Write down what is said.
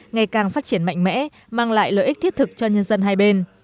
ngày càng phát triển mạnh mẽ mang lại lợi ích thiết thực cho nhân dân hai bên